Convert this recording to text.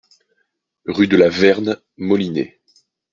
Rue de la Verne, Molinet